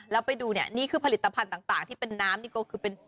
แล้วไปดูเนี่ยนี่คือผลิตภัณฑ์ต่างที่เป็นน้ำนี่ก็คือเป็น